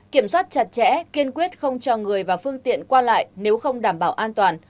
kiểm soát chặt chẽ kiên quyết không cho người và phương tiện qua lại nếu không đảm bảo an toàn